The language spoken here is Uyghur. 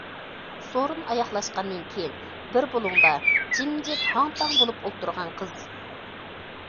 سورۇن ئاياغلاشقاندىن كېيىن، بىر بۇلۇڭدا جىمجىت ھاڭ- تاڭ بولۇپ ئولتۇرغان قىز.